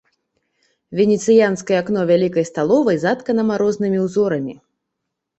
Венецыянскае акно вялікай сталовай заткана марознымі ўзорамі.